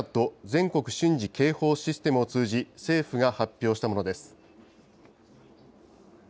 ・全国瞬時警報システムを通じ、政府が発表したものです。